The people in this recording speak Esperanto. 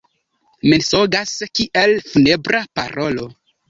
Mensogas kiel funebra parolo.